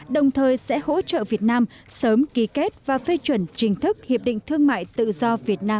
đồng thời sẽ hỗ trợ việt nam sớm ký kết và phê chuẩn chính thức hiệp định thương mại tự do việt nam